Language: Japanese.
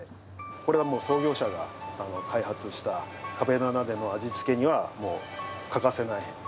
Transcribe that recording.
これはもう、創業者が開発した、壁の穴での味付けにはもう欠かせない。